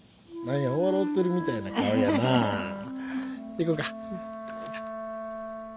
行こか。